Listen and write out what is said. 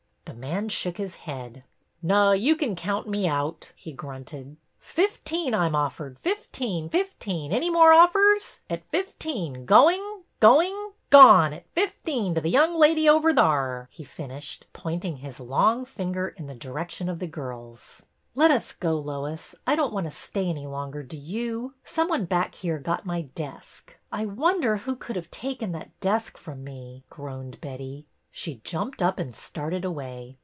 The man shook his head. Nuh, you can count me out," he grunted. Fifteen I 'm offered, fifteen, fifteen ! Any more offers? At fifteen going — going — gone at fifteen to the young lady over thar 1 " he fin ished, pointing his long finger in the direction of the girls. '' Let us go, Lois. I don't want to stay any longer, do you? Someone back here got my desk. I wonder who could have taken that desk from me ?" groaned Betty. She jumped up and started away.